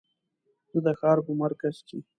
زه د ښار په مرکز کې